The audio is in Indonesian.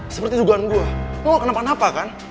seperti dugaan gue mau kenapa napa kan